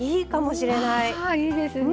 あいいですね。